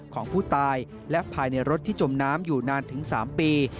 ของผู้ตายและภายในรถที่จมน้ำอยู่นานถึง๓ปี